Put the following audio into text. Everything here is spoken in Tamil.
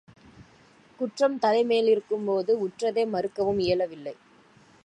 குற்றம் தலை மேலிருக்கும்போது உற்றதை மறுக்கவும் இயலவில்லை.